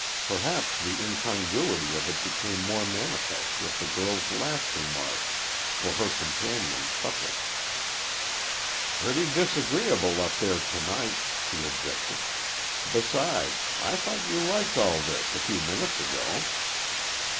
Perhaps the incongruity of it became more manifest with the girl's last remark, for her companion chuckled. "Pretty disagreeable up there to night," he objected; "besides, I thought you liked all this a few minutes ago."